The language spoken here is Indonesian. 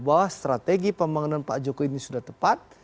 bahwa strategi pembangunan pak jokowi ini sudah tepat